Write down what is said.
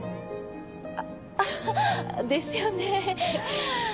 あアハっですよね。